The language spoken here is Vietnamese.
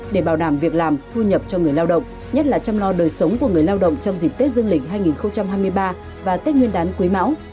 để bảo đảm việc làm thu nhập cho người lao động nhất là chăm lo đời sống của người lao động trong dịp tết dương lịch hai nghìn hai mươi ba và tết nguyên đán quý mão